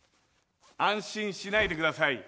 安心しないで下さい。